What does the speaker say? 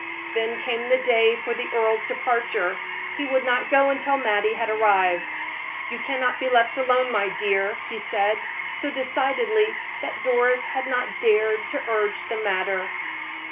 Then came the day for the earl's departure he would not go until Mattie had arrived. "You cannot be left alone, my dear," he said, so decidedly that Doris had not dared to urge the matter.